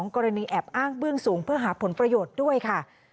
กรณีแอบอ้างเบื้องสูงเพื่อหาผลประโยชน์ด้วยค่ะ